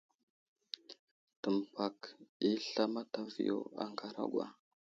Təmbak i asla mataviyo a ŋaragwa.